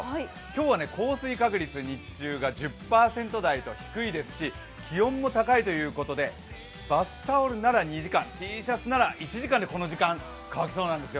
今日は降水確率、日中が１０％台と低いですし気温も高いということで、バスタオルなら２時間、Ｔシャツなら１時間でこの時間、乾きそうです。